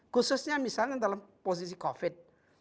khususnya misalnya dalam posisi covid